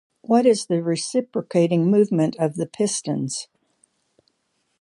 What is the reciprocating movement of the pistons?